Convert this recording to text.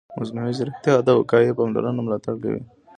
مصنوعي ځیرکتیا د وقایوي پاملرنې ملاتړ کوي.